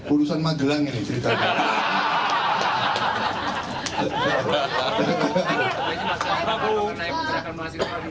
urusan magelang ini cerita ceritanya